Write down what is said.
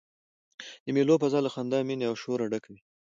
د مېلو فضاء له خندا، میني او شوره ډکه يي.